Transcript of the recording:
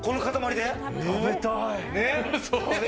食べたい。